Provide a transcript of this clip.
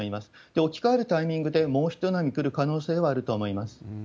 置き換わるタイミングで、もう一波来る可能性はあると思います。